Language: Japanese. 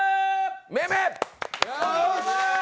めめ！